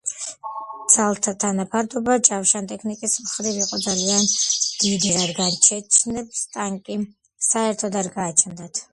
ძალთა თანაფარდობა ჯავშანტექნიკის მხირვ იყო ძალიან დიდი რადგან ჩეჩნებს ტანკი საერთოდ არ გააჩნდათ.